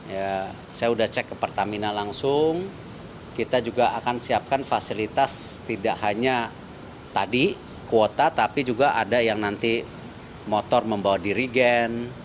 ya saya sudah cek ke pertamina langsung kita juga akan siapkan fasilitas tidak hanya tadi kuota tapi juga ada yang nanti motor membawa dirigen